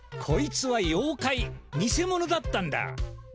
こいつは妖怪にせ者だったんだ！